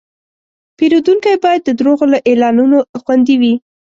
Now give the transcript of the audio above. پیرودونکی باید د دروغو له اعلانونو خوندي وي.